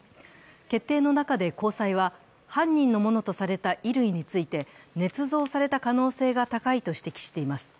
決定の中で高裁は、犯人のものとされた衣類についてねつ造された可能性が高いと指摘しています。